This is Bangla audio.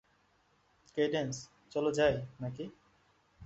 কেইডেন্স, চলো যাই, নাকি?